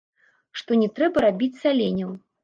Што не трэба рабіць саленняў.